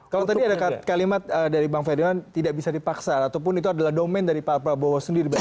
kalau tadi ada kalimat dari bang ferdinand tidak bisa dipaksa ataupun itu adalah domen dari pak prabowo sendiri